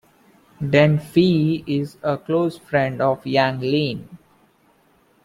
Deng Fei is a close friend of Yang Lin.